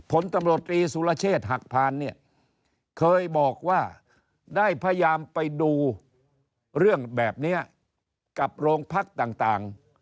ผลตำรวจตรีสุรเชษฐ์หักพานเนี่ยเคยบอกว่าได้พยายามไปดูเรื่องแบบนี้กับโรงพักต่าง